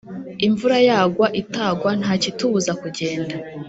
Imvura yagwa itagwa ntakitubuza kugenda